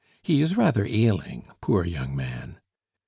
"He is rather ailing, poor young man."